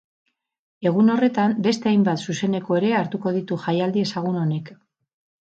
Egun horretan beste hainbat zuzeneko ere hartuko ditu jaialdi ezagun honek.